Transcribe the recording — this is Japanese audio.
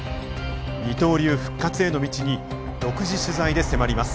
二刀流復活への道に独自取材で迫ります。